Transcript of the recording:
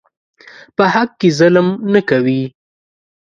په حق کې ظلم نه کوي.